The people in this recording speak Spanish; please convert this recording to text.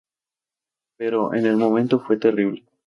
Pero en el momento fue terrible".